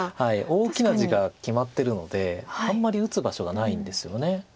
大きな地が決まってるのであんまり打つ場所がないんですよね。